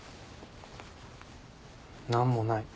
何もない。